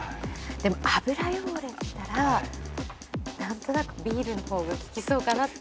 でも油汚れっていったら何となくビールの方が効きそうかなって。